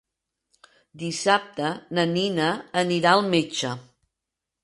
Dissabte na Nina anirà al metge.